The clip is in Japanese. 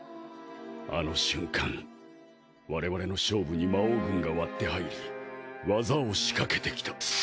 あの瞬間我々の勝負に魔王軍が割って入り技をしかけてきた。